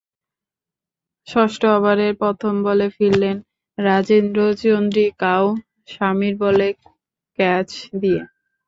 ষষ্ঠ ওভারের প্রথম বলে ফিরলেন রাজেন্দ্র চন্দ্রিকাও, শামির বলে ক্যাচ দিয়ে।